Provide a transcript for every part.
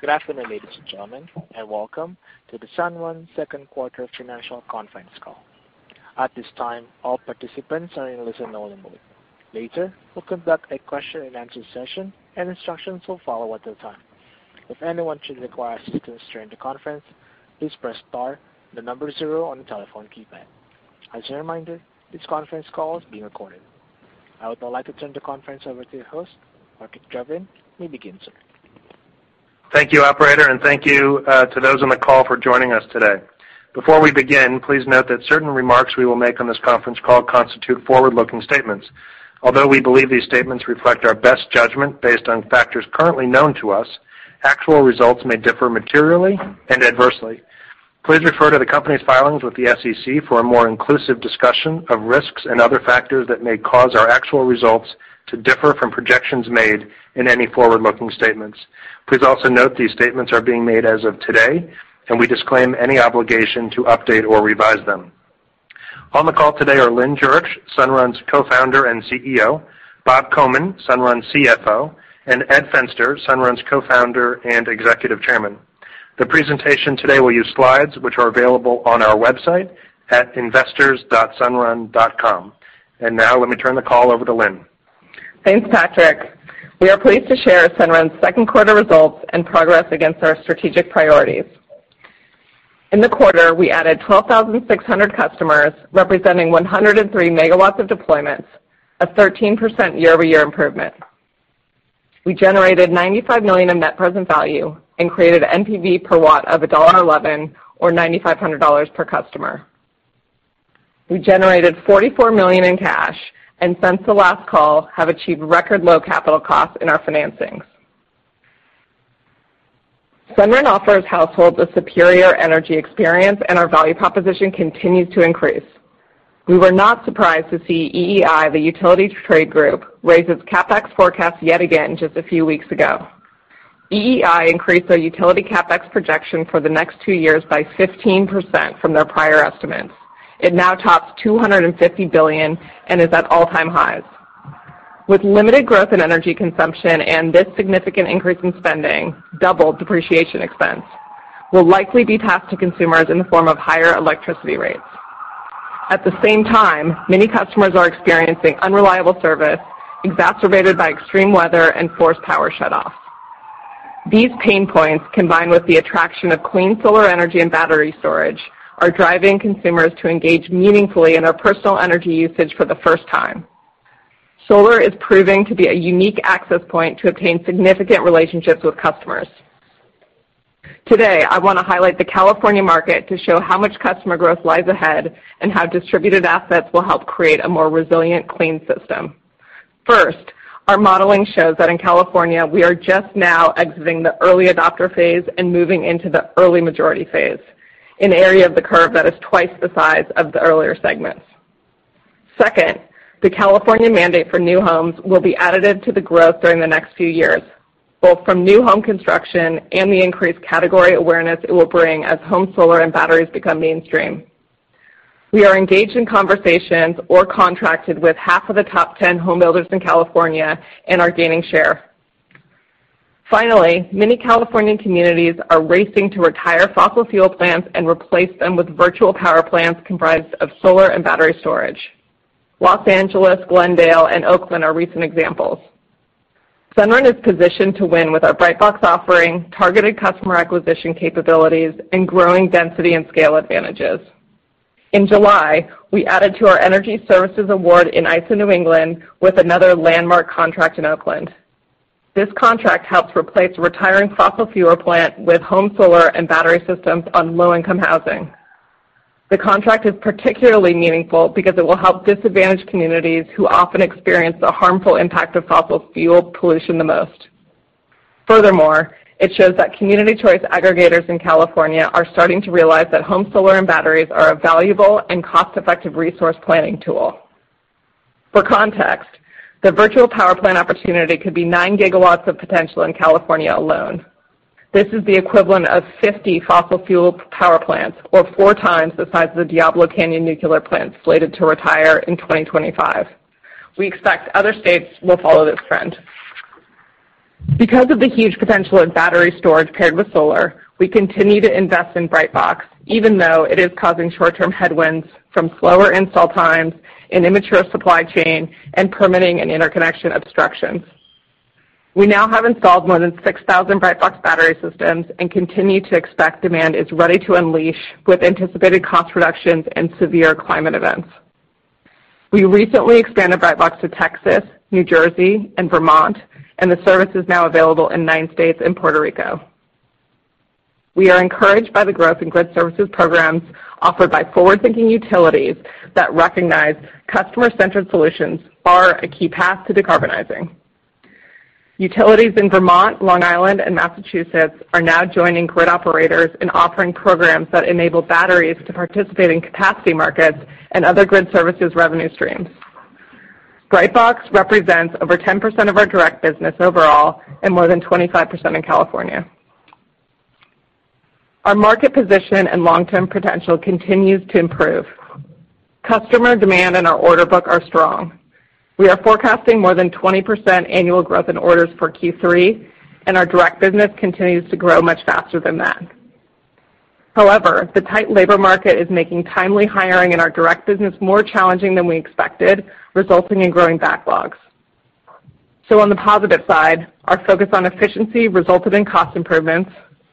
Good afternoon, ladies and gentlemen, and welcome to the Sunrun second quarter financial conference call. At this time, all participants are in listen only mode. Later, we'll conduct a question and answer session, and instructions will follow at the time. If anyone should require assistance during the conference, please press star zero on the telephone keypad. As a reminder, this conference call is being recorded. I would now like to turn the conference over to your host, Patrick Jobin. You may begin, sir. Thank you, operator, and thank you to those on the call for joining us today. Before we begin, please note that certain remarks we will make on this conference call constitute forward-looking statements. Although we believe these statements reflect our best judgment based on factors currently known to us, actual results may differ materially and adversely. Please refer to the company's filings with the SEC for a more inclusive discussion of risks and other factors that may cause our actual results to differ from projections made in any forward-looking statements. Please also note these statements are being made as of today, and we disclaim any obligation to update or revise them. On the call today are Lynn Jurich, Sunrun's co-founder and CEO, Bob Komin, Sunrun's CFO, and Ed Fenster, Sunrun's co-founder and executive chairman. The presentation today will use slides which are available on our website at investors.sunrun.com. Now let me turn the call over to Lynn. Thanks, Patrick. We are pleased to share Sunrun's second quarter results and progress against our strategic priorities. In the quarter, we added 12,600 customers, representing 103 megawatts of deployments, a 13% year-over-year improvement. We generated $95 million in net present value and created NPV per watt of $1.11 or $9,500 per customer. We generated $44 million in cash and since the last call, have achieved record low capital costs in our financings. Sunrun offers households a superior energy experience and our value proposition continues to increase. We were not surprised to see EEI, the utility trade group, raise its CapEx forecast yet again just a few weeks ago. EEI increased their utility CapEx projection for the next two years by 15% from their prior estimates. It now tops $250 billion and is at all-time highs. With limited growth in energy consumption and this significant increase in spending, double depreciation expense will likely be passed to consumers in the form of higher electricity rates. At the same time, many customers are experiencing unreliable service, exacerbated by extreme weather and forced power shutoffs. These pain points, combined with the attraction of clean solar energy and battery storage, are driving consumers to engage meaningfully in our personal energy usage for the first time. Solar is proving to be a unique access point to obtain significant relationships with customers. Today, I want to highlight the California market to show how much customer growth lies ahead and how distributed assets will help create a more resilient, clean system. First, our modeling shows that in California, we are just now exiting the early adopter phase and moving into the early majority phase, an area of the curve that is twice the size of the earlier segments. Second, the California mandate for new homes will be additive to the growth during the next few years, both from new home construction and the increased category awareness it will bring as home solar and batteries become mainstream. We are engaged in conversations or contracted with half of the top 10 home builders in California and are gaining share. Finally, many Californian communities are racing to retire fossil fuel plants and replace them with virtual power plants comprised of solar and battery storage. Los Angeles, Glendale, and Oakland are recent examples. Sunrun is positioned to win with our Brightbox offering, targeted customer acquisition capabilities, and growing density and scale advantages. In July, we added to our energy services award in ISO New England with another landmark contract in Oakland. This contract helps replace a retiring fossil fuel plant with home solar and battery systems on low-income housing. The contract is particularly meaningful because it will help disadvantaged communities who often experience the harmful impact of fossil fuel pollution the most. Furthermore, it shows that Community Choice Aggregators in California are starting to realize that home solar and batteries are a valuable and cost-effective resource planning tool. For context, the virtual power plant opportunity could be 9 gigawatts of potential in California alone. This is the equivalent of 50 fossil fuel power plants or four times the size of the Diablo Canyon nuclear plant slated to retire in 2025. We expect other states will follow this trend. Because of the huge potential in battery storage paired with solar, we continue to invest in Brightbox, even though it is causing short-term headwinds from slower install times, an immature supply chain, and permitting and interconnection obstructions. We now have installed more than 6,000 Brightbox battery systems and continue to expect demand is ready to unleash with anticipated cost reductions and severe climate events. We recently expanded Brightbox to Texas, New Jersey, and Vermont, and the service is now available in nine states and Puerto Rico. We are encouraged by the growth in grid services programs offered by forward-thinking utilities that recognize customer-centered solutions are a key path to decarbonizing. Utilities in Vermont, Long Island, and Massachusetts are now joining grid operators in offering programs that enable batteries to participate in capacity markets and other grid services revenue streams. Brightbox represents over 10% of our direct business overall and more than 25% in California. Our market position and long-term potential continues to improve. Customer demand and our order book are strong. We are forecasting more than 20% annual growth in orders for Q3, and our direct business continues to grow much faster than that. The tight labor market is making timely hiring in our direct business more challenging than we expected, resulting in growing backlogs. On the positive side, our focus on efficiency resulted in cost improvements.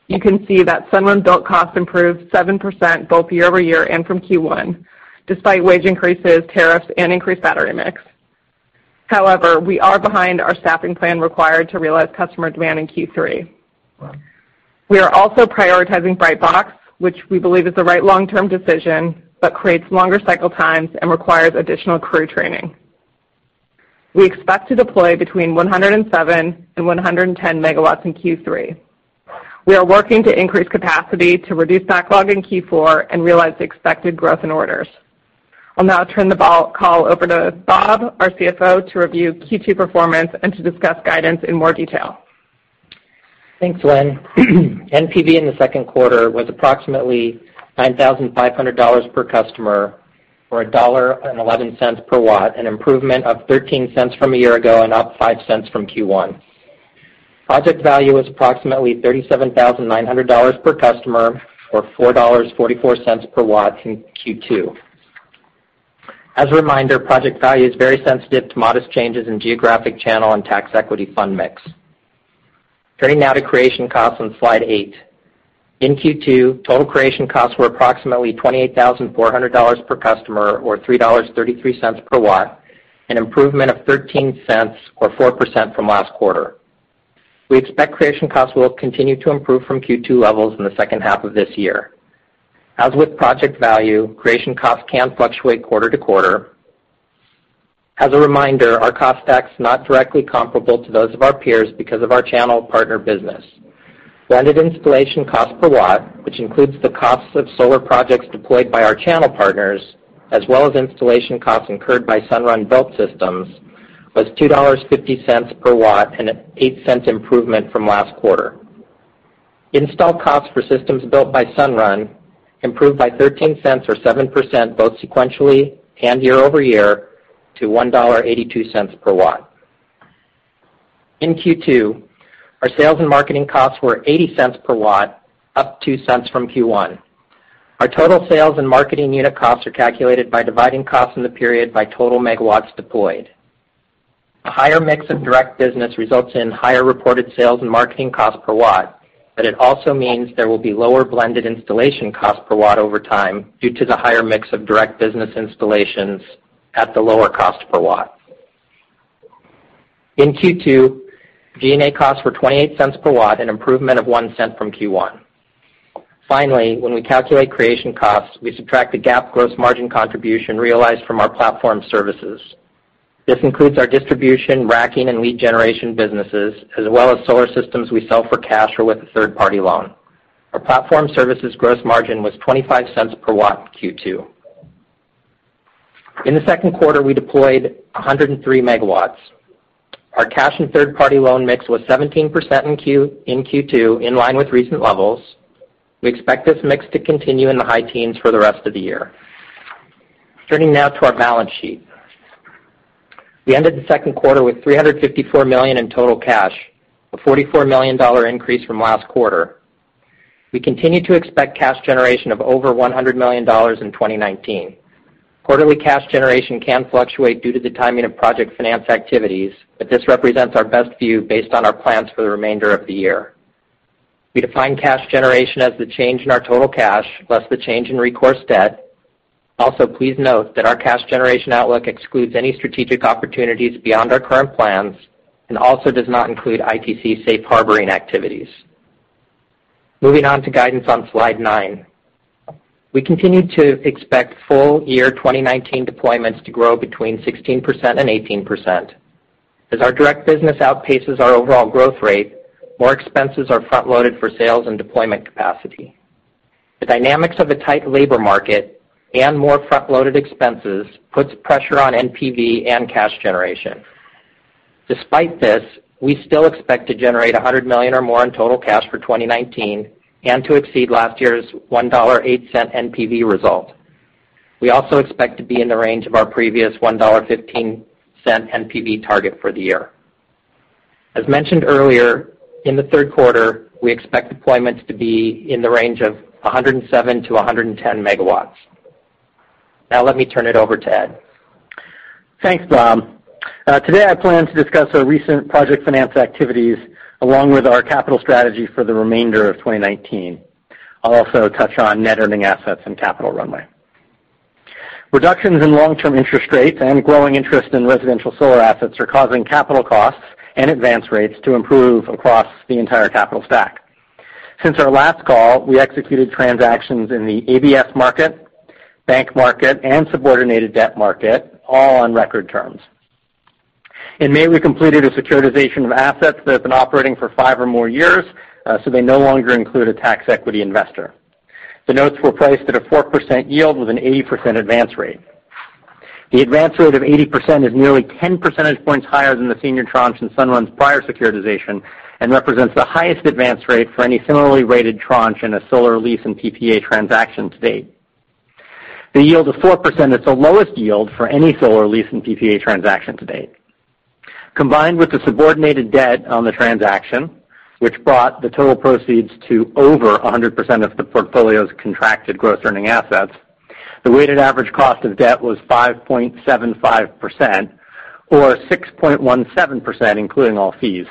You can see that Sunrun-built cost improved 7% both year-over-year and from Q1, despite wage increases, tariffs, and increased battery mix. We are behind our staffing plan required to realize customer demand in Q3. We are also prioritizing Brightbox, which we believe is the right long-term decision but creates longer cycle times and requires additional crew training. We expect to deploy between 107 MW and 110 MW in Q3. We are working to increase capacity to reduce backlog in Q4 and realize the expected growth in orders. I'll now turn the call over to Bob, our CFO, to review Q2 performance and to discuss guidance in more detail. Thanks, Lynn. NPV in the second quarter was approximately $9,500 per customer for $1.11 per watt, an improvement of $0.13 from a year ago and up $0.05 from Q1. Project value was approximately $37,900 per customer or $4.44 per watt in Q2. As a reminder, project value is very sensitive to modest changes in geographic channel and tax equity fund mix. Turning now to creation costs on slide eight. In Q2, total creation costs were approximately $28,400 per customer or $3.33 per watt, an improvement of $0.13 or 4% from last quarter. We expect creation costs will continue to improve from Q2 levels in the second half of this year. As with project value, creation costs can fluctuate quarter to quarter. As a reminder, our cost stack is not directly comparable to those of our peers because of our channel partner business. Blended installation cost per watt, which includes the costs of solar projects deployed by our channel partners, as well as installation costs incurred by Sunrun-built systems, was $2.50 per watt and an $0.08 improvement from last quarter. Installed costs for systems built by Sunrun improved by $0.13 or 7%, both sequentially and year-over-year, to $1.82 per watt. In Q2, our sales and marketing costs were $0.80 per watt, up $0.02 from Q1. Our total sales and marketing unit costs are calculated by dividing costs in the period by total megawatts deployed. A higher mix of direct business results in higher reported sales and marketing cost per watt, but it also means there will be lower blended installation cost per watt over time due to the higher mix of direct business installations at the lower cost per watt. In Q2, G&A costs were $0.28 per watt, an improvement of $0.01 from Q1. When we calculate creation costs, we subtract the GAAP gross margin contribution realized from our platform services. This includes our distribution, racking, and lead generation businesses, as well as solar systems we sell for cash or with a third-party loan. Our platform services gross margin was $0.25 per watt in Q2. In the second quarter, we deployed 103 megawatts. Our cash and third-party loan mix was 17% in Q2, in line with recent levels. We expect this mix to continue in the high teens for the rest of the year. Turning now to our balance sheet. We ended the second quarter with $354 million in total cash, a $44 million increase from last quarter. We continue to expect cash generation of over $100 million in 2019. Quarterly cash generation can fluctuate due to the timing of project finance activities, but this represents our best view based on our plans for the remainder of the year. We define cash generation as the change in our total cash, less the change in recourse debt. Please note that our cash generation outlook excludes any strategic opportunities beyond our current plans and also does not include ITC safe harboring activities. Moving on to guidance on slide nine. We continue to expect full year 2019 deployments to grow between 16% and 18%. As our direct business outpaces our overall growth rate, more expenses are front-loaded for sales and deployment capacity. The dynamics of a tight labor market and more front-loaded expenses puts pressure on NPV and cash generation. Despite this, we still expect to generate $100 million or more in total cash for 2019 and to exceed last year's $1.08 NPV result. We also expect to be in the range of our previous $1.15 NPV target for the year. As mentioned earlier, in the third quarter, we expect deployments to be in the range of 107-110 megawatts. Now let me turn it over to Ed. Thanks, Bob. Today, I plan to discuss our recent project finance activities along with our capital strategy for the remainder of 2019. I'll also touch on net earning assets and capital runway. Reductions in long-term interest rates and growing interest in residential solar assets are causing capital costs and advance rates to improve across the entire capital stack. Since our last call, we executed transactions in the ABS market, bank market, and subordinated debt market, all on record terms. In May, we completed a securitization of assets that have been operating for five or more years, so they no longer include a tax equity investor. The notes were priced at a 4% yield with an 80% advance rate. The advance rate of 80% is nearly 10 percentage points higher than the senior tranche in Sunrun's prior securitization and represents the highest advance rate for any similarly rated tranche in a solar lease and PPA transaction to date. The yield of 4% is the lowest yield for any solar lease and PPA transaction to date. Combined with the subordinated debt on the transaction, which brought the total proceeds to over 100% of the portfolio's contracted net earning assets, the weighted average cost of debt was 5.75%, or 6.17%, including all fees.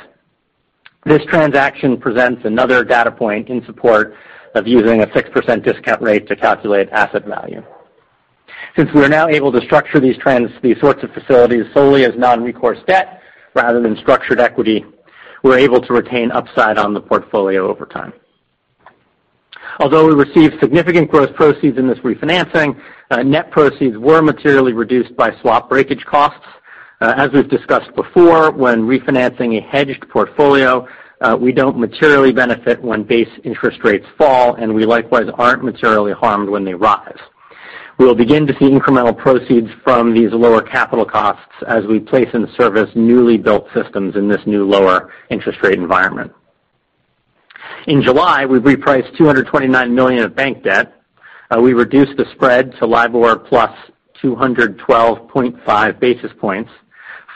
This transaction presents another data point in support of using a 6% discount rate to calculate asset value. Since we are now able to structure these sorts of facilities solely as non-recourse debt rather than structured equity, we're able to retain upside on the portfolio over time. Although we received significant gross proceeds in this refinancing, net proceeds were materially reduced by swap breakage costs. As we've discussed before, when refinancing a hedged portfolio, we don't materially benefit when base interest rates fall, and we likewise aren't materially harmed when they rise. We will begin to see incremental proceeds from these lower capital costs as we place in service newly built systems in this new lower interest rate environment. In July, we repriced $229 million of bank debt. We reduced the spread to LIBOR plus 212.5 basis points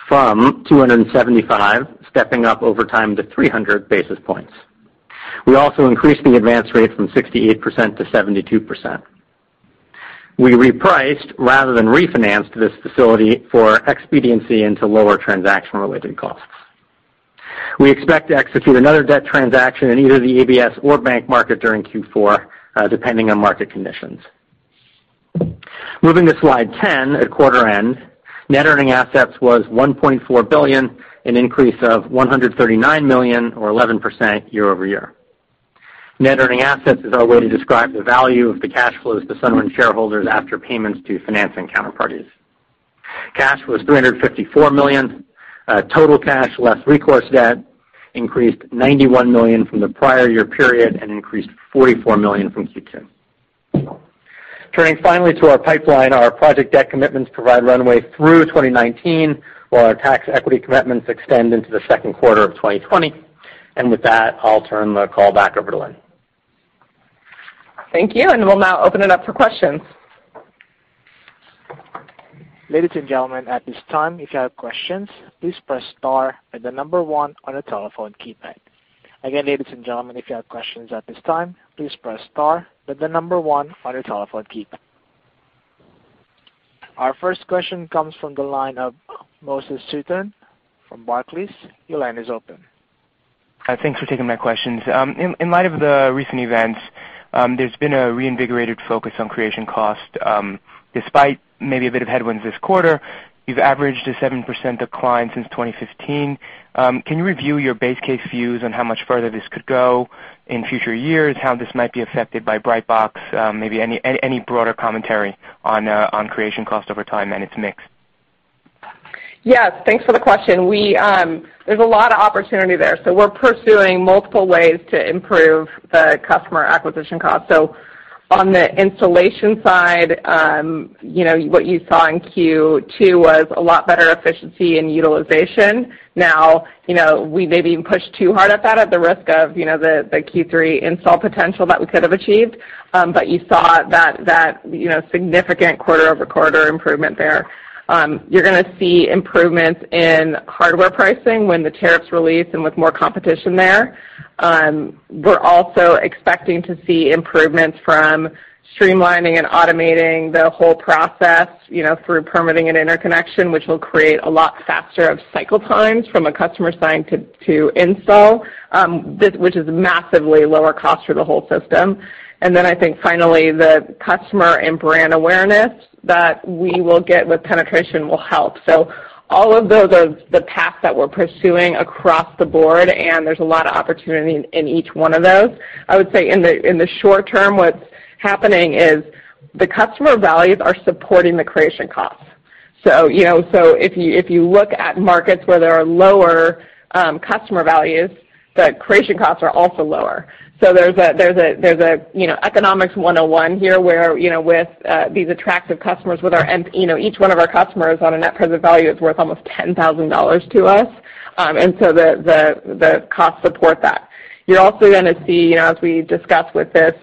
from 275, stepping up over time to 300 basis points. We also increased the advance rate from 68% to 72%. We repriced rather than refinanced this facility for expediency into lower transaction-related costs. We expect to execute another debt transaction in either the ABS or bank market during Q4, depending on market conditions. Moving to slide 10, at quarter end, net earning assets was $1.4 billion, an increase of $139 million or 11% year-over-year. Net earning assets is our way to describe the value of the cash flows to Sunrun shareholders after payments to financing counterparties. Cash was $354 million. Total cash, less recourse debt, increased $91 million from the prior year period and increased $44 million from Q2. Turning finally to our pipeline, our project debt commitments provide runway through 2019, while our tax equity commitments extend into the second quarter of 2020. With that, I'll turn the call back over to Lynn. Thank you, and we'll now open it up for questions. Ladies and gentlemen, at this time, if you have questions, please press star then the number one on a telephone keypad. Again, ladies and gentlemen, if you have questions at this time, please press star then the number one on your telephone keypad. Our first question comes from the line of Moses Sutton from Barclays. Your line is open. Thanks for taking my questions. In light of the recent events, there's been a reinvigorated focus on creation cost. Despite maybe a bit of headwinds this quarter, you've averaged a 7% decline since 2015. Can you review your base case views on how much further this could go in future years? How this might be affected by Brightbox? Maybe any broader commentary on creation cost over time and its mix. Yes. Thanks for the question. There's a lot of opportunity there. We're pursuing multiple ways to improve the customer acquisition cost. On the installation side, what you saw in Q2 was a lot better efficiency and utilization. Now, we maybe even pushed too hard at that at the risk of the Q3 install potential that we could have achieved. You saw that significant quarter-over-quarter improvement there. You're going to see improvements in hardware pricing when the tariffs release and with more competition there. We're also expecting to see improvements from streamlining and automating the whole process through permitting and interconnection, which will create a lot faster of cycle times from a customer sign to install, which is massively lower cost for the whole system. I think finally, the customer and brand awareness that we will get with penetration will help. All of those are the paths that we're pursuing across the board, and there's a lot of opportunity in each one of those. I would say in the short term, what's happening is the customer values are supporting the creation costs. If you look at markets where there are lower customer values, the creation costs are also lower. There's economics 101 here where with these attractive customers, each one of our customers on a net present value is worth almost $10,000 to us. The costs support that. You're also going to see, as we discussed with this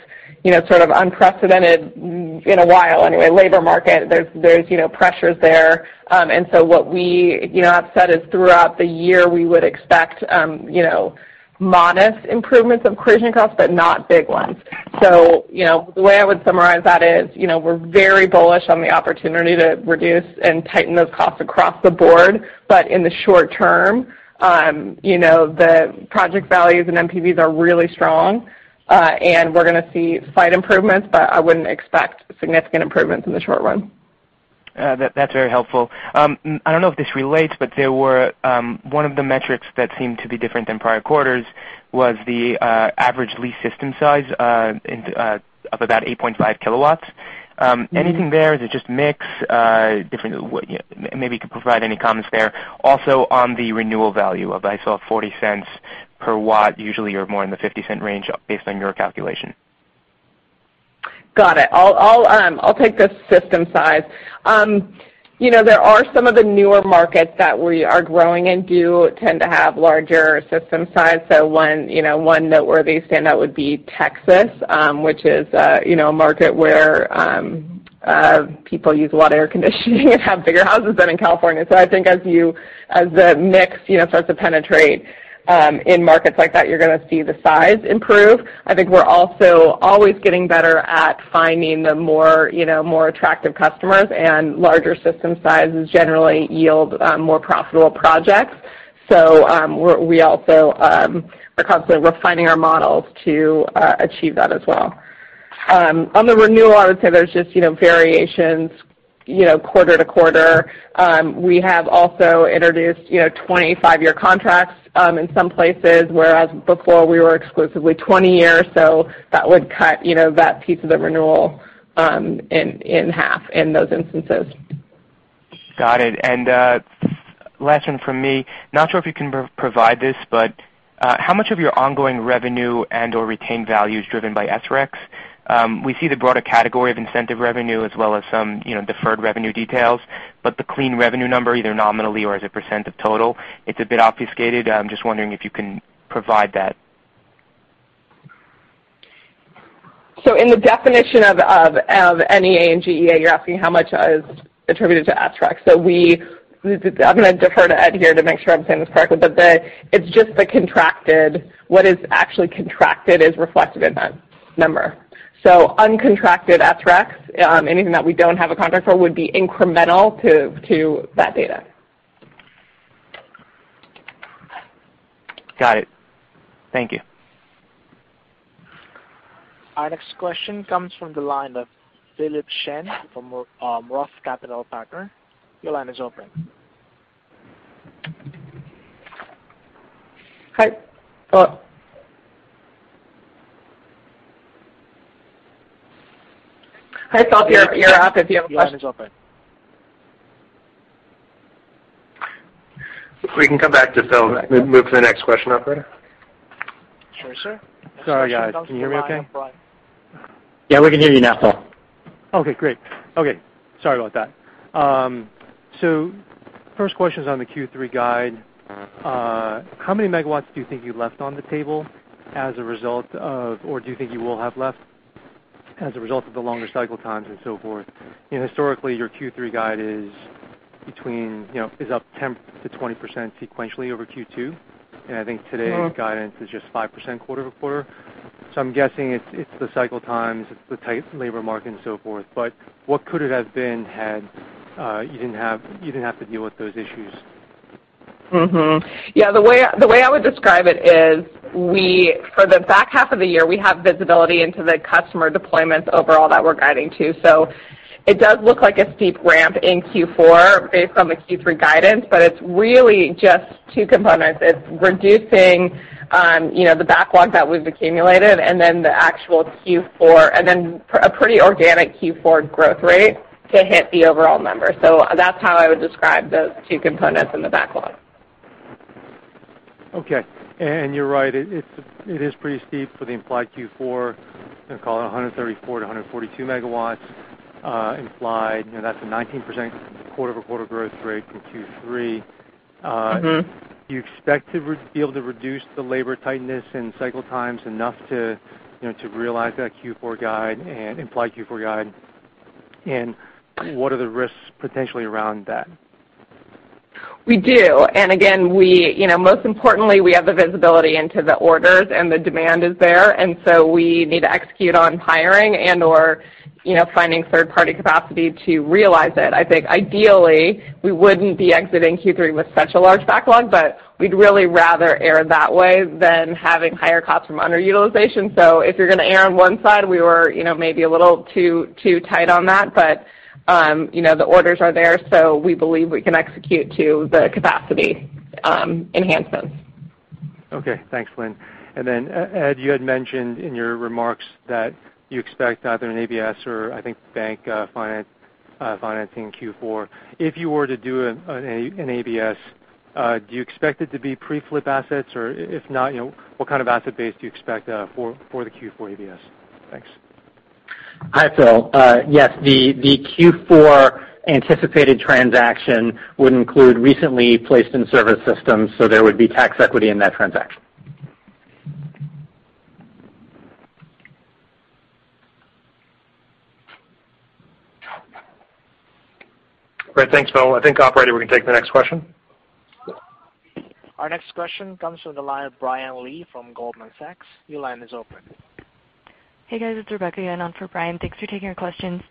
sort of unprecedented, in a while anyway, labor market, there's pressures there. What we have said is throughout the year, we would expect modest improvements of creation costs, but not big ones. The way I would summarize that is, we're very bullish on the opportunity to reduce and tighten those costs across the board. In the short term, the project values and NPVs are really strong, and we're going to see slight improvements. I wouldn't expect significant improvements in the short run. That's very helpful. I don't know if this relates, but one of the metrics that seemed to be different than prior quarters was the average lease system size of about 8.5 kilowatts. Anything there? Is it just mix? Maybe you could provide any comments there. Also, on the renewal value of, I saw $0.40 per watt. Usually, you're more in the $0.50 range based on your calculation. Got it. I'll take the system size. There are some of the newer markets that we are growing in do tend to have larger system size. One noteworthy standout would be Texas, which is a market where people use a lot of air conditioning and have bigger houses than in California. I think as the mix starts to penetrate in markets like that, you're going to see the size improve. I think we're also always getting better at finding the more attractive customers, and larger system sizes generally yield more profitable projects. We also are constantly refining our models to achieve that as well. On the renewal, I would say there's just variations quarter to quarter. We have also introduced 25-year contracts in some places, whereas before we were exclusively 20 years, that would cut that piece of the renewal in half in those instances. Got it. Last one from me. Not sure if you can provide this, but how much of your ongoing revenue and/or retained value is driven by SREC? We see the broader category of incentive revenue as well as some deferred revenue details, but the clean revenue number, either nominally or as a % of total, it's a bit obfuscated. I'm just wondering if you can provide that. In the definition of NEA and GEA, you're asking how much is attributed to SREC. I'm going to defer to Ed here to make sure I'm saying this correctly, but it's just what is actually contracted is reflected in that number. Uncontracted SREC, anything that we don't have a contract for, would be incremental to that data. Got it. Thank you. Our next question comes from the line of Philip Shen from ROTH Capital Partners. Your line is open. Hi, Phil. You're up if you have a question. Your line is open. We can come back to Phil. Can we move to the next question, operator? Sure, sir. Sorry, guys. Can you hear me okay? Yeah, we can hear you now, Phil. Okay, great. Okay, sorry about that. First question is on the Q3 guide. How many megawatts do you think you left on the table, or do you think you will have left as a result of the longer cycle times and so forth? Historically, your Q3 guide is up 10%-20% sequentially over Q2, and I think today's guidance is just 5% quarter-over-quarter. I'm guessing it's the cycle times, it's the tight labor market and so forth, but what could it have been had you didn't have to deal with those issues? Yeah, the way I would describe it is for the back half of the year, we have visibility into the customer deployments overall that we're guiding to. It does look like a steep ramp in Q4 based on the Q3 guidance, but it's really just two components. It's reducing the backlog that we've accumulated and then a pretty organic Q4 growth rate to hit the overall number. That's how I would describe those two components in the backlog. Okay. You're right, it is pretty steep for the implied Q4. Call it 134-142 megawatts implied. That's a 19% quarter-over-quarter growth rate from Q3. Do you expect to be able to reduce the labor tightness and cycle times enough to realize that implied Q4 guide, and what are the risks potentially around that? We do. Again, most importantly, we have the visibility into the orders, the demand is there, we need to execute on hiring and/or finding third-party capacity to realize it. I think ideally, we wouldn't be exiting Q3 with such a large backlog, we'd really rather err that way than having higher costs from underutilization. If you're going to err on one side, we were maybe a little too tight on that, the orders are there, we believe we can execute to the capacity enhancements. Okay. Thanks, Lynn. Ed, you had mentioned in your remarks that you expect either an ABS or I think bank financing in Q4. If you were to do an ABS, do you expect it to be pre-flip assets? If not, what kind of asset base do you expect for the Q4 ABS? Thanks. Hi, Phil. Yes, the Q4 anticipated transaction would include recently placed in service systems, so there would be tax equity in that transaction. Great. Thanks, Phil. I think, operator, we can take the next question. Our next question comes from the line of Brian Lee from Goldman Sachs. Your line is open. Hey, guys. It's Rebecca again on for Brian. Thanks for taking our questions.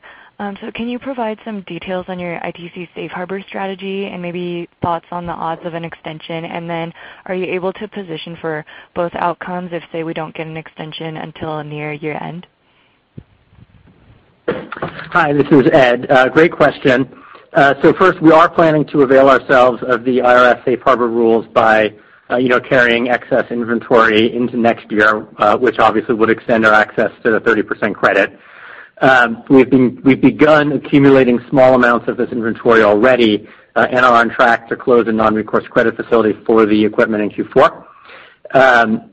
Can you provide some details on your ITC safe harbor strategy and maybe thoughts on the odds of an extension? Are you able to position for both outcomes if, say, we don't get an extension until near year-end? Hi, this is Ed. Great question. First, we are planning to avail ourselves of the IRS safe harbor rules by carrying excess inventory into next year, which obviously would extend our access to the 30% credit. We've begun accumulating small amounts of this inventory already and are on track to close a non-recourse credit facility for the equipment in Q4.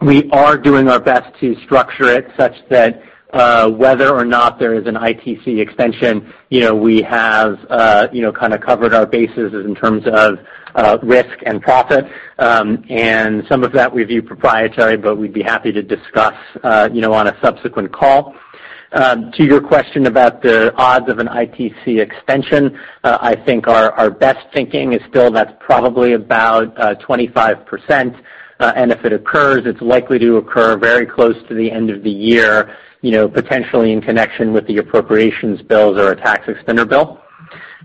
We are doing our best to structure it such that whether or not there is an ITC extension, we have covered our bases in terms of risk and profit. Some of that we view proprietary, but we'd be happy to discuss on a subsequent call. To your question about the odds of an ITC extension, I think our best thinking is still that's probably about 25%, and if it occurs, it's likely to occur very close to the end of the year, potentially in connection with the appropriations bills or a tax extender bill.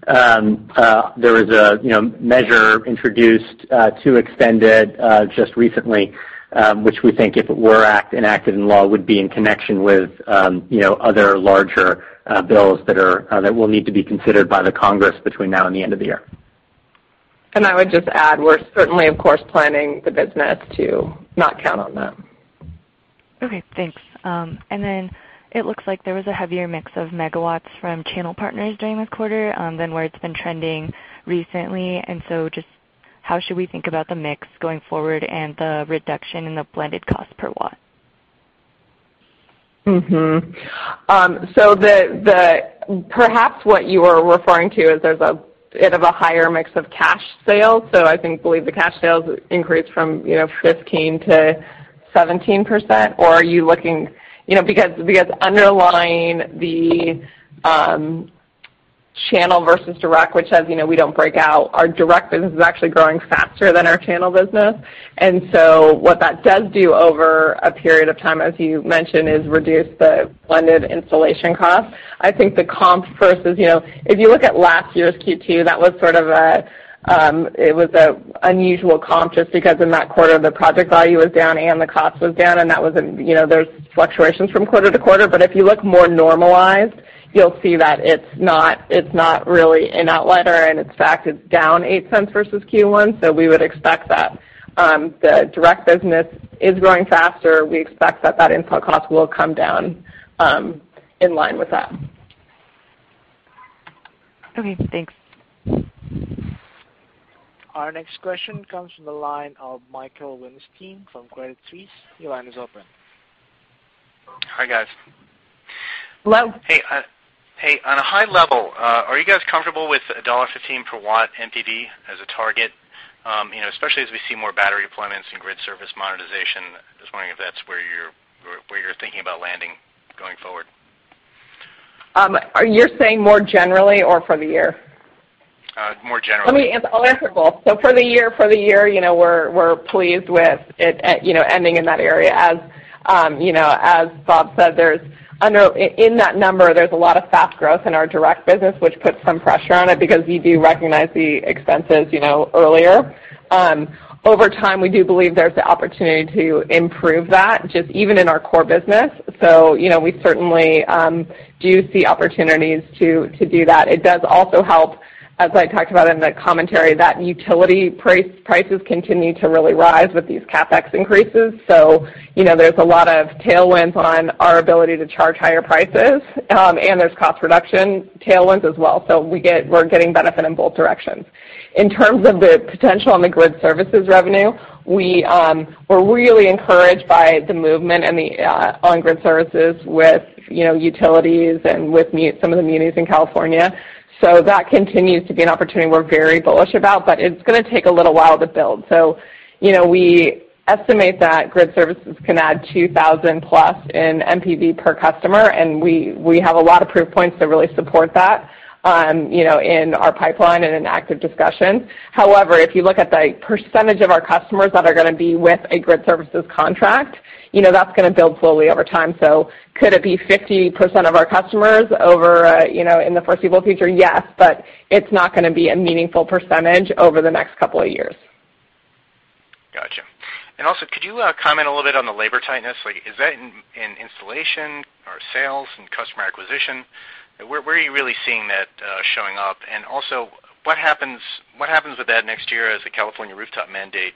There is a measure introduced to extend it just recently, which we think if it were enacted in law, would be in connection with other larger bills that will need to be considered by the Congress between now and the end of the year. I would just add, we're certainly, of course, planning the business to not count on that. Okay, thanks. It looks like there was a heavier mix of megawatts from channel partners during this quarter than where it's been trending recently. Just how should we think about the mix going forward and the reduction in the blended cost per watt? Perhaps what you are referring to is there's a bit of a higher mix of cash sales. I think, believe the cash sales increased from 15% to 17%. Are you looking-- because underlying the channel versus direct, which as you know, we don't break out, our direct business is actually growing faster than our channel business. What that does do over a period of time, as you mentioned, is reduce the blended installation cost. I think the comp versus, if you look at last year's Q2, that it was an unusual comp just because in that quarter the project value was down and the cost was down, and there's fluctuations from quarter to quarter. If you look more normalized, you'll see that it's not really an outlier, and in fact, it's down $0.08 versus Q1. We would expect that the direct business is growing faster. We expect that install cost will come down in line with that. Okay, thanks. Our next question comes from the line of Michael Weinstein from Credit Suisse. Your line is open. Hi guys. Hello. Hey, on a high level, are you guys comfortable with $1.15 per watt NPV as a target, especially as we see more battery deployments and grid service monetization? Just wondering if that's where you're thinking about landing going forward. You're saying more generally or for the year? More generally. Let me answer both. For the year, we're pleased with it ending in that area. As Bob said, in that number, there's a lot of fast growth in our direct business, which puts some pressure on it because you do recognize the expenses earlier. Over time, we do believe there's the opportunity to improve that, just even in our core business. We certainly do see opportunities to do that. It does also help, as I talked about in the commentary, that utility prices continue to really rise with these CapEx increases. There's a lot of tailwinds on our ability to charge higher prices, and there's cost reduction tailwinds as well. We're getting benefit in both directions. In terms of the potential on the grid services revenue, we're really encouraged by the movement on grid services with utilities and with some of the munis in California. That continues to be an opportunity we're very bullish about, but it's going to take a little while to build. We estimate that grid services can add $2,000+ in NPV per customer, and we have a lot of proof points that really support that in our pipeline and in active discussions. However, if you look at the percentage of our customers that are going to be with a grid services contract, that's going to build slowly over time. Could it be 50% of our customers over in the foreseeable future? Yes, but it's not going to be a meaningful percentage over the next couple of years. Got you. Also, could you comment a little bit on the labor tightness? Is that in installation or sales and customer acquisition? Where are you really seeing that showing up? Also, what happens with that next year as the California rooftop mandate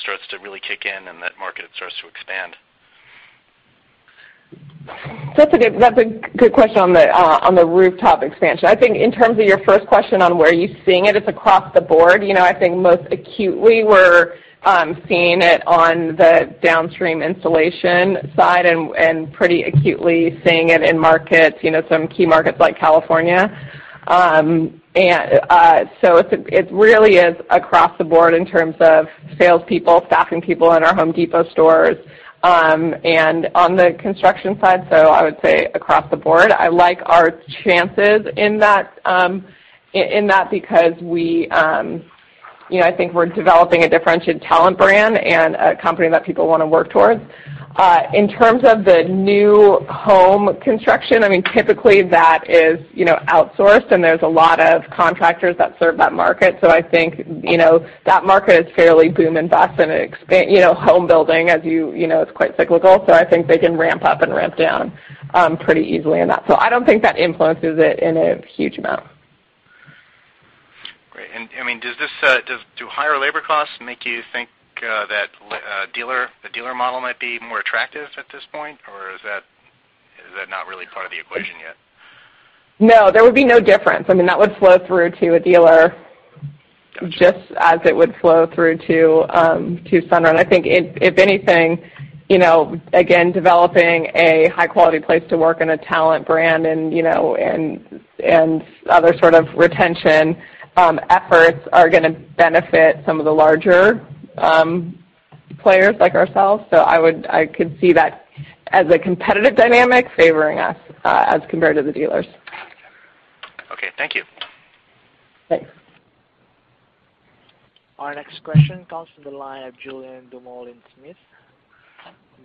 starts to really kick in and that market starts to expand? That's a good question on the rooftop expansion. I think in terms of your first question on where are you seeing it's across the board. I think most acutely we're seeing it on the downstream installation side and pretty acutely seeing it in some key markets like California. It really is across the board in terms of salespeople, staffing people in our The Home Depot stores, and on the construction side, so I would say across the board. I like our chances in that because I think we're developing a differentiated talent brand and a company that people want to work towards. In terms of the new home construction, typically that is outsourced, and there's a lot of contractors that serve that market. I think that market is fairly boom and bust, and home building, as you know, is quite cyclical, so I think they can ramp up and ramp down pretty easily in that. I don't think that influences it in a huge amount. I mean, do higher labor costs make you think that the dealer model might be more attractive at this point, or is that not really part of the equation yet? No, there would be no difference. I mean, that would flow through to a dealer just as it would flow through to Sunrun. I think if anything, again, developing a high-quality place to work and a talent brand and other sort of retention efforts are going to benefit some of the larger players like ourselves. I could see that as a competitive dynamic favoring us as compared to the dealers. Okay, thank you. Thanks. Our next question comes from the line of Julien Dumoulin-Smith,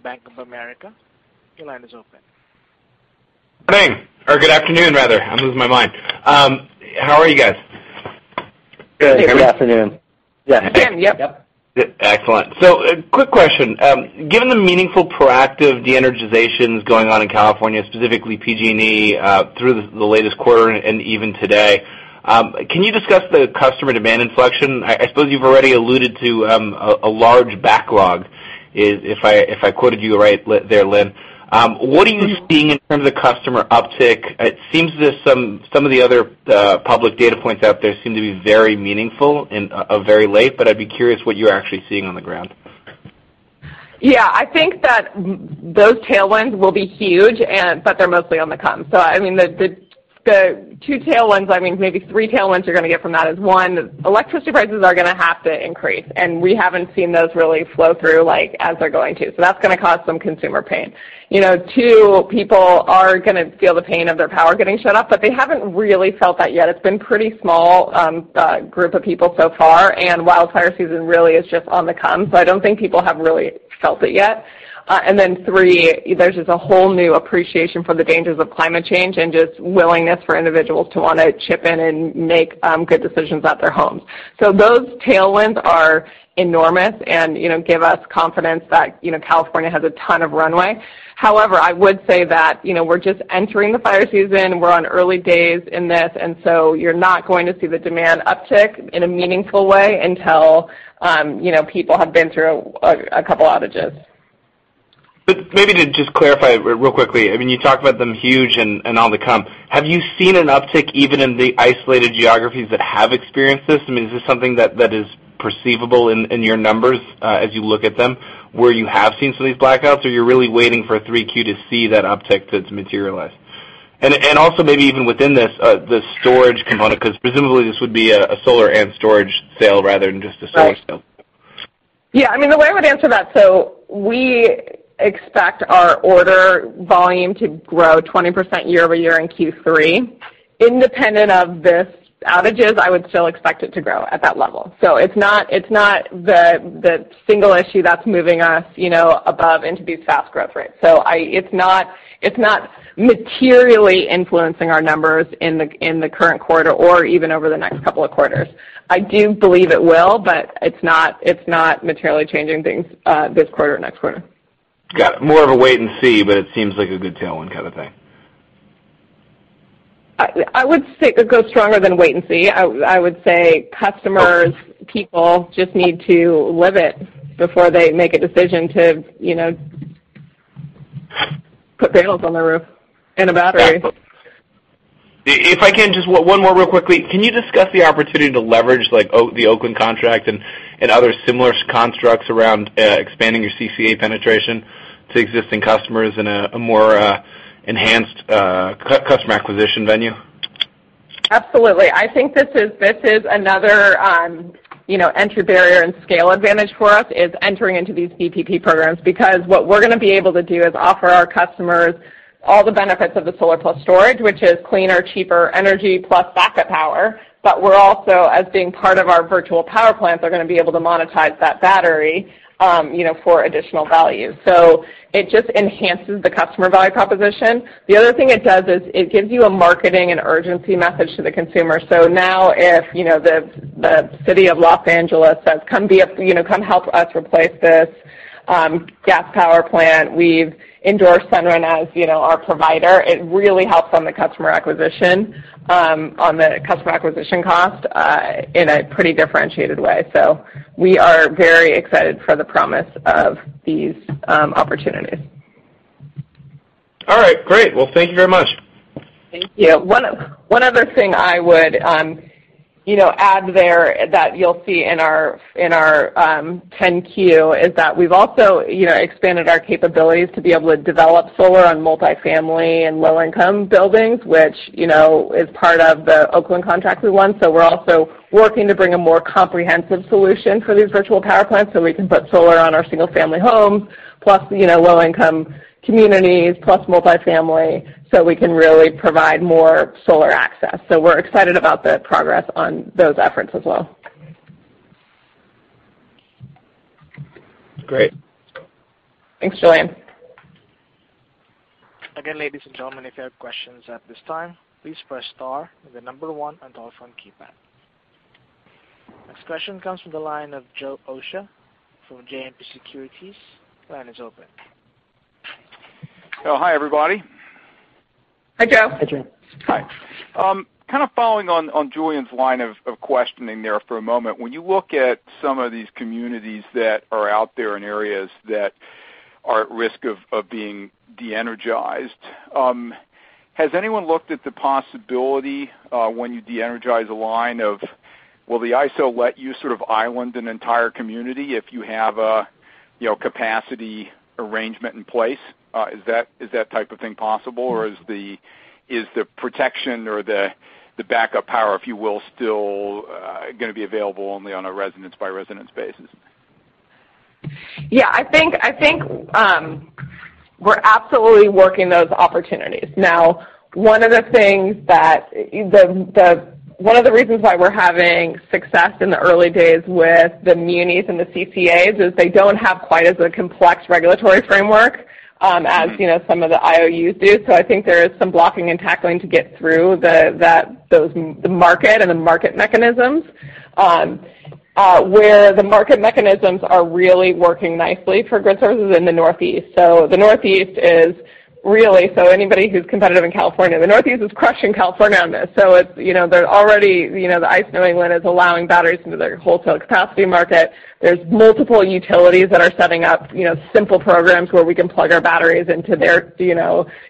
Bank of America. Your line is open. Good morning, or good afternoon, rather. I'm losing my mind. How are you guys? Good. Good afternoon. Excellent. A quick question. Given the meaningful proactive de-energizations going on in California, specifically PG&E, through the latest quarter and even today, can you discuss the customer demand inflection? I suppose you've already alluded to, a large backlog is, if I quoted you right there, Lynn. What are you seeing in terms of customer uptick? It seems that some of the other public data points out there seem to be very meaningful and very late, but I'd be curious what you're actually seeing on the ground. Yeah, I think that those tailwinds will be huge, but they're mostly on the come. The two tailwinds, maybe three tailwinds you're going to get from that is, one, electricity prices are going to have to increase, and we haven't seen those really flow through as they're going to. Two, people are going to feel the pain of their power getting shut off, but they haven't really felt that yet. It's been a pretty small group of people so far, and wildfire season really is just on the come, so I don't think people have really felt it yet. There's just a whole new appreciation for the dangers of climate change and just willingness for individuals to want to chip in and make good decisions at their homes. Those tailwinds are enormous and give us confidence that California has a ton of runway. However, I would say that we're just entering the fire season. We're on early days in this, you're not going to see the demand uptick in a meaningful way until people have been through a couple outages. Maybe to just clarify real quickly, I mean, you talk about them huge and on the come. Have you seen an uptick even in the isolated geographies that have experienced this? I mean, is this something that is perceivable in your numbers, as you look at them, where you have seen some of these blackouts, or you're really waiting for Q3 to see that uptick to materialize? Also maybe even within this, the storage component, because presumably this would be a solar and storage sale rather than just a storage sale. Right. Yeah, I mean, the way I would answer that, we expect our order volume to grow 20% year-over-year in Q3. Independent of these outages, I would still expect it to grow at that level. It's not the single issue that's moving us above into these fast growth rates. It's not materially influencing our numbers in the current quarter or even over the next couple of quarters. I do believe it will, but it's not materially changing things this quarter or next quarter. Got it. More of a wait and see, but it seems like a good tailwind kind of thing. I would say it goes stronger than wait and see. I would say customers, people just need to live it before they make a decision to put panels on their roof and a battery. If I can, just one more real quickly, can you discuss the opportunity to leverage the Oakland contract and other similar constructs around expanding your CCA penetration to existing customers in a more enhanced customer acquisition venue? Absolutely. I think this is another entry barrier and scale advantage for us is entering into these VPP programs. What we're going to be able to do is offer our customers all the benefits of the solar plus storage, which is cleaner, cheaper energy plus backup power. We're also, as being part of our virtual power plants, are going to be able to monetize that battery for additional value. It just enhances the customer value proposition. The other thing it does is it gives you a marketing and urgency message to the consumer. Now if the City of Los Angeles says, "Come help us replace this gas power plant. We've endorsed Sunrun as our provider," it really helps on the customer acquisition cost in a pretty differentiated way. We are very excited for the promise of these opportunities. All right, great. Well, thank you very much. Thank you. One other thing I would add there that you'll see in our 10-Q is that we've also expanded our capabilities to be able to develop solar on multi-family and low-income buildings, which is part of the Oakland contract we won. We're also working to bring a more comprehensive solution for these virtual power plants, so we can put solar on our single-family homes, plus low-income communities, plus multi-family, so we can really provide more solar access. We're excited about the progress on those efforts as well. Great. Thanks, Julien. Again, ladies and gentlemen, if you have questions at this time, please press star then the number one on your telephone keypad. Next question comes from the line of Joe Osha from JMP Securities. Your line is open. Oh, hi, everybody. Hi, Joe. Hi, Joe. Hi. Kind of following on Julien's line of questioning there for a moment, when you look at some of these communities that are out there in areas that are at risk of being de-energized, has anyone looked at the possibility, when you de-energize a line, will the ISO let you sort of island an entire community if you have a capacity arrangement in place? Is that type of thing possible, or is the protection or the backup power, if you will, still going to be available only on a residence-by-residence basis? Yeah, I think we're absolutely working those opportunities. One of the reasons why we're having success in the early days with the munis and the CCAs is they don't have quite as a complex regulatory framework as some of the IOUs do. I think there is some blocking and tackling to get through the market and the market mechanisms. Where the market mechanisms are really working nicely for grid services is in the Northeast. Anybody who's competitive in California, the Northeast is crushing California on this. ISO New England is allowing batteries into their wholesale capacity market. There's multiple utilities that are setting up simple programs where we can plug our batteries into their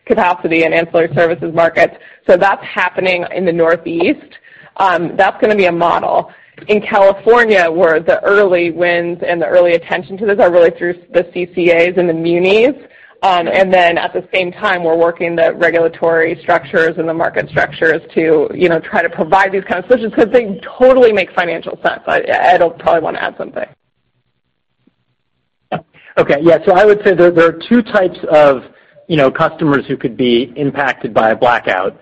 capacity and ancillary services markets. That's happening in the Northeast. That's going to be a model. In California, where the early wins and the early attention to this are really through the CCAs and the munis, and then at the same time, we're working the regulatory structures and the market structures to try to provide these kind of solutions because they totally make financial sense. Ed probably want to add something. Okay. Yeah. I would say there are two types of customers who could be impacted by a blackout.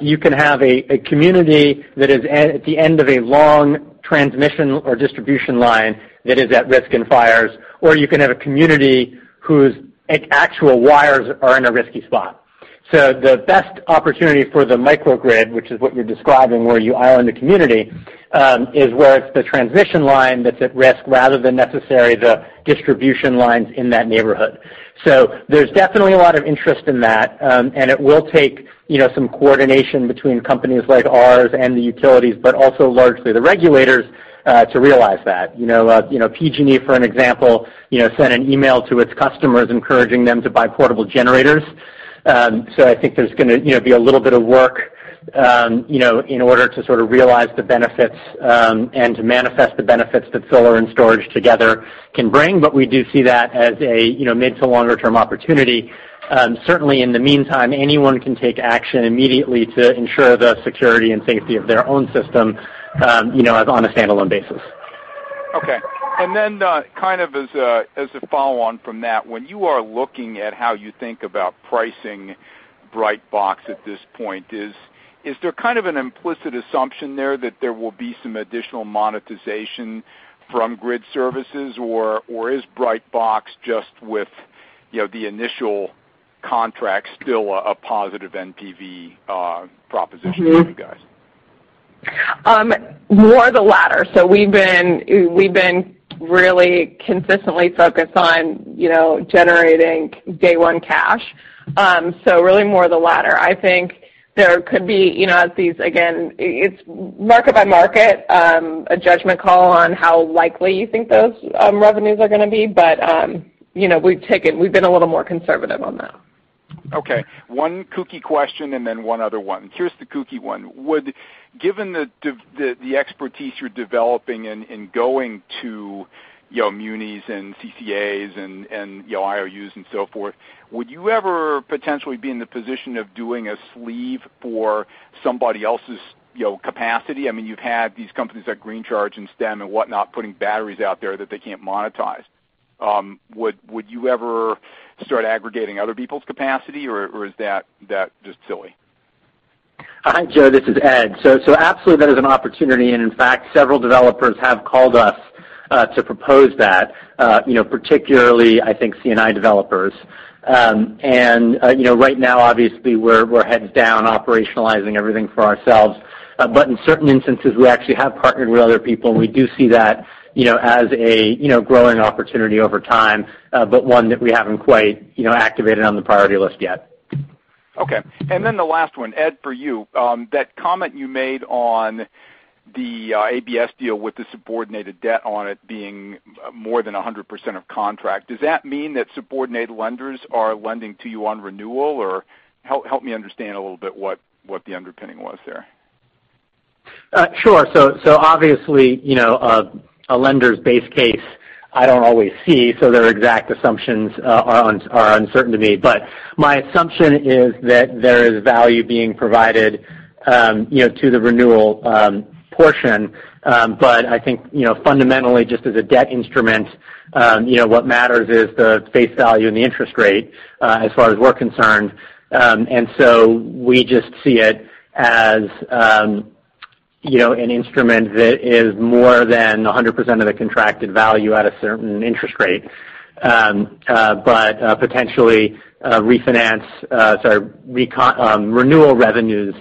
You can have a community that is at the end of a long transmission or distribution line that is at risk in fires, or you can have a community whose actual wires are in a risky spot. The best opportunity for the microgrid, which is what you're describing, where you island a community, is where it's the transmission line that's at risk rather than necessarily the distribution lines in that neighborhood. There's definitely a lot of interest in that, and it will take some coordination between companies like ours and the utilities, but also largely the regulators, to realize that. PG&E, for an example, sent an email to its customers encouraging them to buy portable generators. I think there's going to be a little bit of work in order to sort of realize the benefits and to manifest the benefits that solar and storage together can bring. We do see that as a mid to longer term opportunity. Certainly in the meantime, anyone can take action immediately to ensure the security and safety of their own system on a standalone basis. Okay. Kind of as a follow-on from that, when you are looking at how you think about pricing Brightbox at this point, is there kind of an implicit assumption there that there will be some additional monetization from grid services, or is Brightbox just with the initial contract still a positive NPV proposition for you guys? More the latter. We've been really consistently focused on generating day one cash. Really more the latter. I think there could be, as these, again, it's market by market, a judgment call on how likely you think those revenues are going to be. We've been a little more conservative on that. Okay. One kooky question and then one other one. Here's the kooky one. Given the expertise you're developing in going to munis and CCAs and IOUs and so forth, would you ever potentially be in the position of doing a sleeve for somebody else's capacity? I mean, you've had these companies like Green Charge and Stem and whatnot, putting batteries out there that they can't monetize. Would you ever start aggregating other people's capacity, or is that just silly? Hi, Joe. This is Ed. Absolutely there's an opportunity, and in fact, several developers have called us to propose that, particularly, I think C&I developers. Right now, obviously, we're heads down operationalizing everything for ourselves. In certain instances, we actually have partnered with other people, and we do see that as a growing opportunity over time. One that we haven't quite activated on the priority list yet. Okay. The last one, Ed, for you. That comment you made on the ABS deal with the subordinated debt on it being more than 100% of contract, does that mean that subordinated lenders are lending to you on renewal, or help me understand a little bit what the underpinning was there? Sure. Obviously, a lender's base case I don't always see, so their exact assumptions are uncertain to me. My assumption is that there is value being provided to the renewal portion. I think fundamentally, just as a debt instrument, what matters is the face value and the interest rate, as far as we're concerned. We just see it as an instrument that is more than 100% of the contracted value at a certain interest rate. Potentially renewal revenues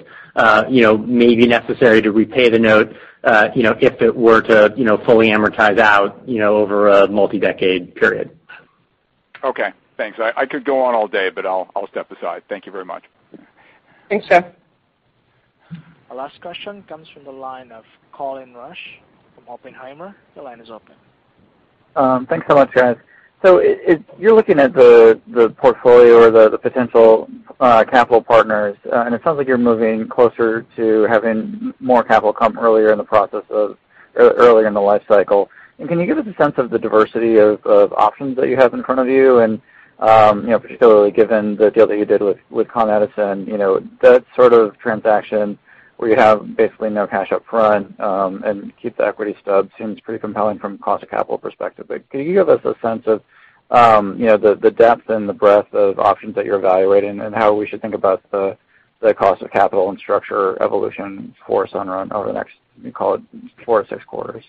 may be necessary to repay the note if it were to fully amortize out over a multi-decade period. Okay, thanks. I could go on all day, I'll step aside. Thank you very much. Thanks, Joe. Our last question comes from the line of Colin Rusch from Oppenheimer. Your line is open. Thanks so much, guys. You're looking at the portfolio or the potential capital partners, and it sounds like you're moving closer to having more capital come earlier in the life cycle. Can you give us a sense of the diversity of options that you have in front of you? Particularly given the deal that you did with Con Edison, that sort of transaction where you have basically no cash up front, and keep the equity stub seems pretty compelling from a cost of capital perspective. Can you give us a sense of the depth and the breadth of options that you're evaluating and how we should think about the cost of capital and structure evolution for Sunrun over the next, call it four to six quarters?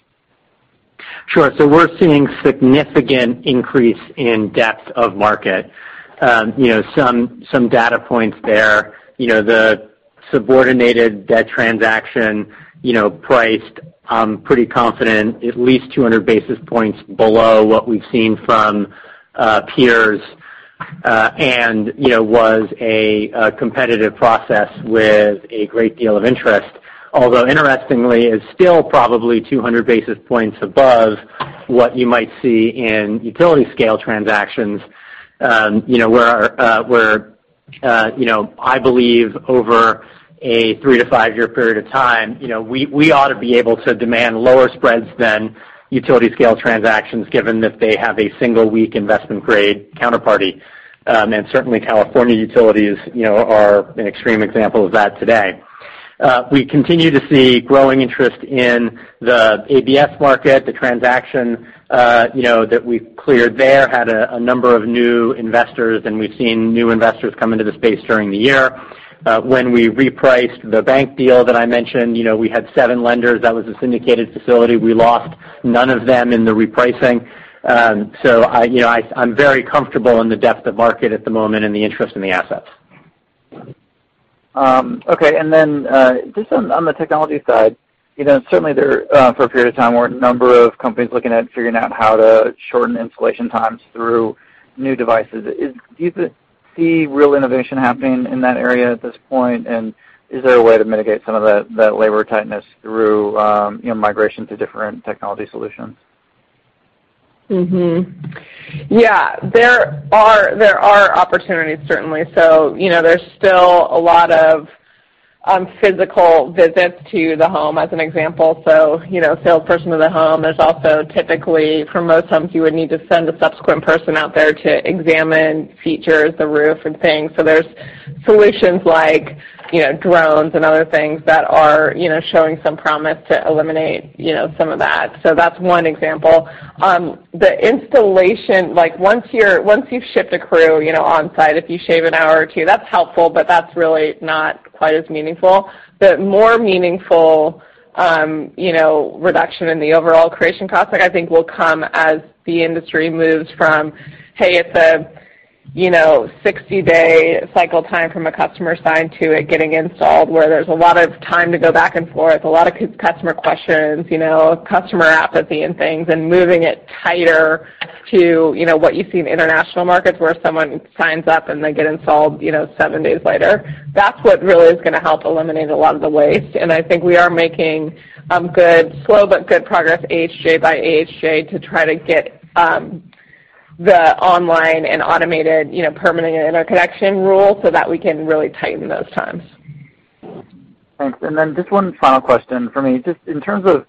Sure. We're seeing significant increase in depth of market. Some data points there, the subordinated debt transaction, priced, I'm pretty confident at least 200 basis points below what we've seen from peers, and was a competitive process with a great deal of interest. Interestingly, it's still probably 200 basis points above what you might see in utility scale transactions, where, I believe over a 3-5-year period of time, we ought to be able to demand lower spreads than utility scale transactions, given that they have a single week investment grade counterparty. Certainly California utilities are an extreme example of that today. We continue to see growing interest in the ABS market. The transaction that we've cleared there had a number of new investors, and we've seen new investors come into the space during the year. When we repriced the bank deal that I mentioned, we had seven lenders. That was a syndicated facility. We lost none of them in the repricing. I'm very comfortable in the depth of market at the moment and the interest in the assets. Just on the technology side, certainly there, for a period of time, were a number of companies looking at figuring out how to shorten installation times through new devices. Do you see real innovation happening in that area at this point, and is there a way to mitigate some of that labor tightness through migration to different technology solutions? Yeah. There are opportunities, certainly. There's still a lot of physical visits to the home as an example. Salesperson to the home. There's also typically for most homes, you would need to send a subsequent person out there to examine features, the roof, and things. There's solutions like drones and other things that are showing some promise to eliminate some of that. That's one example. The installation, once you've shipped a crew on-site, if you shave an hour or two, that's helpful, but that's really not quite as meaningful. The more meaningful reduction in the overall creation cost, I think, will come as the industry moves from, hey, it's a 60-day cycle time from a customer sign to it getting installed, where there's a lot of time to go back and forth, a lot of customer questions, customer apathy and things, and moving it tighter to what you see in international markets where someone signs up, and they get installed seven days later. That's what really is going to help eliminate a lot of the waste, and I think we are making slow but good progress AHJ by AHJ to try to get the online and automated permanent interconnection rule so that we can really tighten those times. Thanks. Just one final question from me. Just in terms of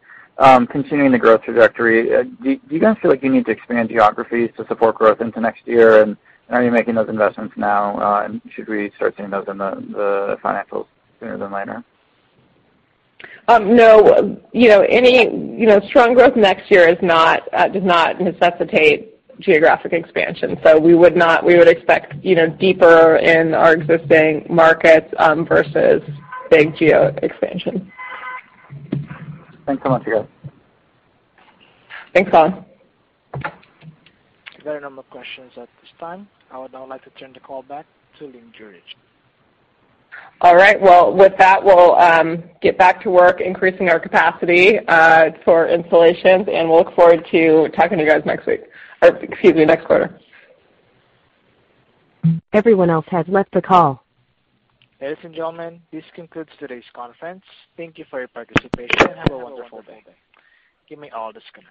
continuing the growth trajectory, do you guys feel like you need to expand geographies to support growth into next year? Are you making those investments now, and should we start seeing those in the financials sooner than later? No. Strong growth next year does not necessitate geographic expansion. We would expect deeper in our existing markets versus big geo expansion. Thanks so much, you guys. Thanks, Colin. There are no more questions at this time. I would now like to turn the call back to Lynn Jurich. All right, well, with that, we'll get back to work increasing our capacity for installations, and we'll look forward to talking to you guys next week, or excuse me, next quarter. Everyone else has left the call. Ladies and gentlemen, this concludes today's conference. Thank you for your participation and have a wonderful day. You may all disconnect.